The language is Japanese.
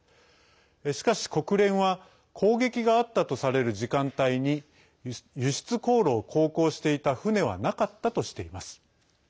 しかし国連は攻撃があったとされる時間帯に輸出航路を航行していた船はなかったとしています。